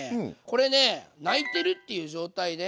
これね「泣いてる」っていう状態で。